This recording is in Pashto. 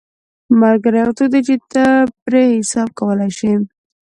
ملګری هغه څوک دی چې ته پرې حساب کولی شې